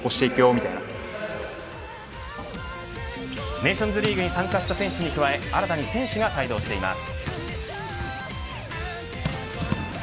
ネーションズリーグに参加した選手に加え新たに選手が帯同しています。